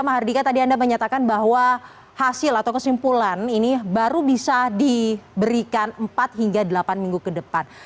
mahardika tadi anda menyatakan bahwa hasil atau kesimpulan ini baru bisa diberikan empat hingga delapan minggu ke depan